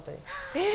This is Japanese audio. えっ！